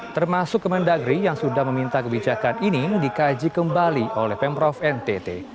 termasuk kemendagri yang sudah meminta kebijakan ini dikaji kembali oleh pemprov ntt